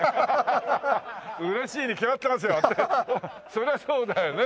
そりゃそうだよね。